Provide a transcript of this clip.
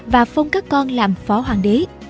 và phông các con làm phó hoàng đế